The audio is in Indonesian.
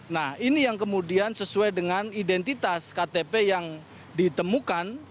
nah ini yang kemudian sesuai dengan identitas ktp yang ditemukan